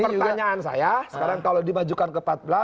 pertanyaan saya sekarang kalau dimajukan ke empat belas